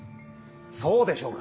そうでしょうか？